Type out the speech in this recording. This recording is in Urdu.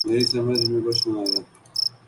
میری سمجھ میں کچھ نہ آیا۔